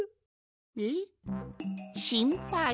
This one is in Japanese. えっしんぱい？